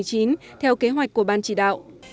theo kế hoạch của ban chỉ đạo